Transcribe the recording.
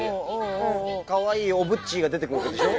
かわいいオブッチーが出てくるわけでしょ？